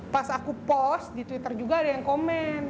pas aku post di twitter juga ada yang komen